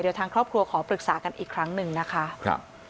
เดี๋ยวทางครอบครัวขอปรึกษากันอีกครั้งหนึ่งนะคะครับ